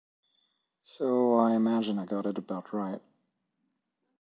So I imagine I got it about right.